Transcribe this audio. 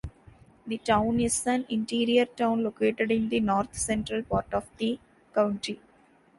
The town is an interior town located in the north-central part of the county.